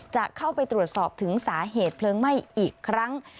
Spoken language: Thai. จะเข้าไปตรวจสอบถึงสาเหตุเพลิงไหม้อีกครั้ง